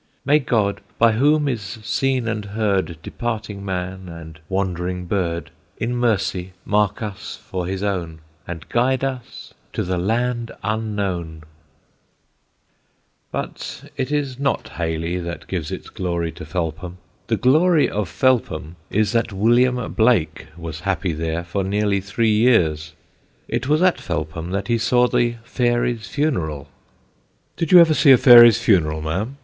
May God, by whom is seen and heard Departing man and wandering bird, In mercy mark us for his own, And guide us to the land unknown. [Sidenote: A FAIRY'S FUNERAL] But it is not Hayley that gives its glory to Felpham. The glory of Felpham is that William Blake was happy there for nearly three years. It was at Felpham that he saw the fairy's funeral. "Did you ever see a fairy's funeral, ma'am?"